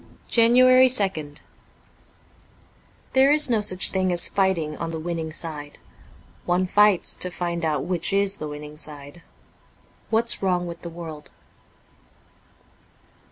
^ JANUARY 2nd THERE is no such thing as fighting on the winning side : one fights to find out which is the winning side. ' What's Wrong with the World.''